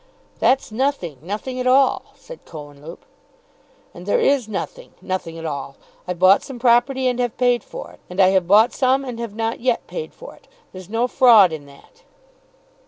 "That's nothing; nothing at all," said Cohenlupe. "And there is nothing; nothing at all! I've bought some property and have paid for it; and I have bought some, and have not yet paid for it. There's no fraud in that."